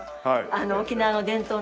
沖縄の伝統の。